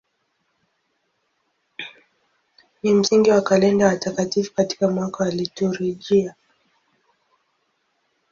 Ni msingi wa kalenda ya watakatifu katika mwaka wa liturujia.